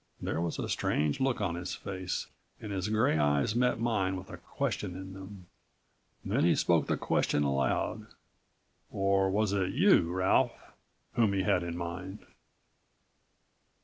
There was a strange look on his face and his gray eyes met mine with a question in them. Then he spoke the question aloud. "Or was it you, Ralph, whom he had in mind?"